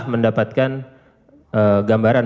anda mendapatkan gambaran